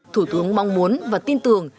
thủ tướng mong muốn và tin tưởng